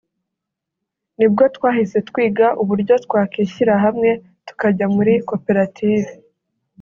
nibwo twahise twiga uburyo twakwishyira hamwe tukajya muri koperative